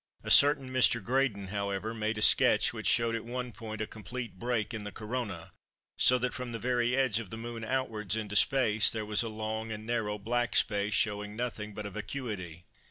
A certain Mr. Graydon, however, made a sketch which showed at one point a complete break in the Corona so that from the very edge of the Moon outwards into space, there was a long and narrow black space showing nothing but a vacuity.